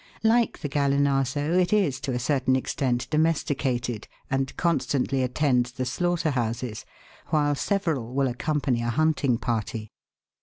Like the Gallinazo, it is to a certain .extent domesticated, and constantly attends the slaughter houses, while several will accompany a hunting party.